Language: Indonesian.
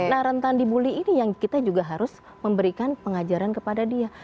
nah rentan dibully ini yang kita juga harus memberikan pengajaran kepada dia